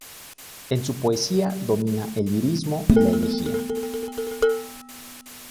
En su poesía domina el lirismo y la elegía.